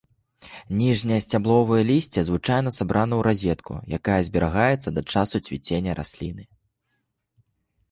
Ніжняе сцябловае лісце звычайна сабрана ў разетку, якая зберагаецца да часу цвіцення расліны.